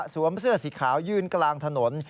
เสื้อสีขาวยืนกลางถนน